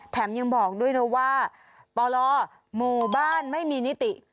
แถมยังบอกด้วยนะว่าปลหมู่บ้านไม่มีนิติ